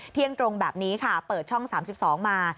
เที่ยงตรงแบบนี้ค่ะเปิดช่อง๓๒มา